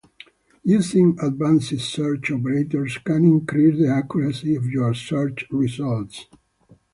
Using advanced search operators can increase the accuracy of your search results.